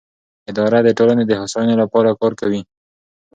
اداره د ټولنې د هوساینې لپاره کار کوي.